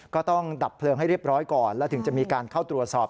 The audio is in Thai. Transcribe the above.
ก็ต้องดับเพลิงให้เรียบร้อยก่อนแล้วถึงจะมีการเข้าตรวจสอบ